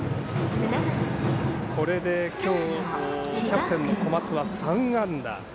これで今日、キャプテンの小松は３安打。